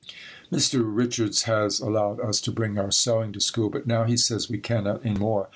Mr. Richards has allowed us to bring our sewing to school but now he says we cannot any more.